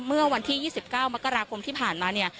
เมื่อวันที่๒๙มกราคมที่ผ่านมาเนี่ย